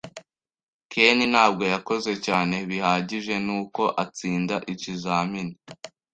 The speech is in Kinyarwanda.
Ken ntabwo yakoze cyane bihagije, nuko atsinda ikizamini.